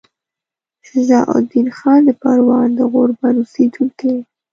شجاع الدین خان د پروان د غوربند اوسیدونکی وو.